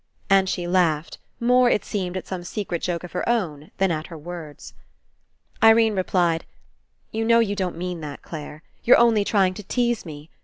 And she laughed, more. It seemed, at some secret joke of her own than at her words. Irene replied: "You know you don't mean that, Clare. You're only trying to tease me.